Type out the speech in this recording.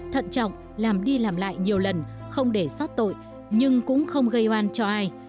thận trọng làm đi làm lại nhiều lần không để sót tội nhưng cũng không gây oan cho ai